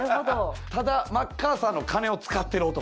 ただマッカーサーの金を使ってる男。